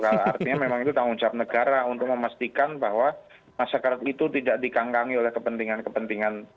artinya memang itu tanggung jawab negara untuk memastikan bahwa masyarakat itu tidak dikangkangi oleh kepentingan kepentingan